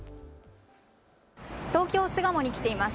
東京巣鴨に来ています。